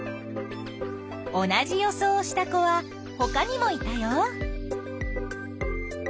同じ予想をした子はほかにもいたよ。